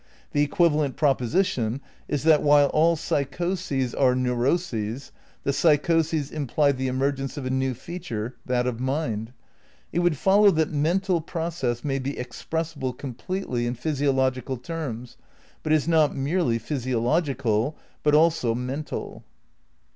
The equivalent proposition is that while all psychoses are neuroses, the psychoses imply the emergence of a new feature, that of mind. It would follow that mental process may be ex pressible completely in physioloeical terms but is not merely physio logical but also mental."